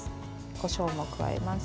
こしょうも加えます。